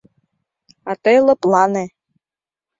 — А тый лыплане.